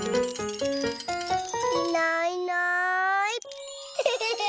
いないいない。